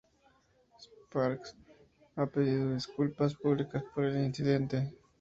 Sparks ha pedido disculpas públicas por el incidente.